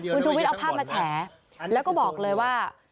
คุณชูวิทย์เอาภาพมาแฉแล้วก็บอกเลยว่า